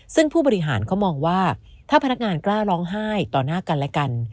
ซึ่งผู้บริหารเขามองว่าถ้าพนักงานกล้าร้องไห้ต่อหน้ากันและกัน